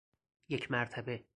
یک مرتبه